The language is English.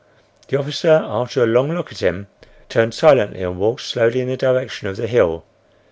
The officer, after a long look at him, turned silently and walked slowly in the direction of the hill.